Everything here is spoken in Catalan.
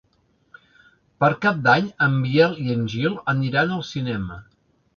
Per Cap d'Any en Biel i en Gil aniran al cinema.